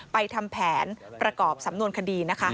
ทำแผนประกอบสำนวนคดีนะคะ